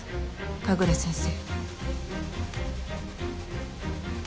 神楽先生。